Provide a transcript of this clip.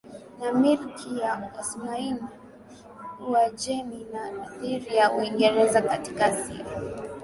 na Milki ya Osmani Uajemi na athira ya Uingereza katika Asia